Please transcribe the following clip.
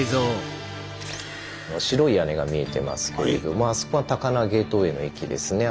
白い屋根が見えてますけれどもあそこが高輪ゲートウェイの駅ですね。